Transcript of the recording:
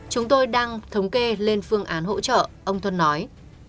chúng tôi đang thống kê lên phương án hỗ trợ ông tuân nói